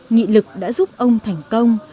nghị lực đã giúp ông thành công